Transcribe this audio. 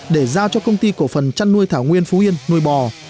để giao cho công ty cổ phần chăn nuôi thảo nguyên phú yên nuôi bò